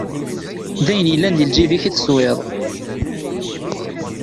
D ayen yellan deg lǧib-ik i teswiḍ.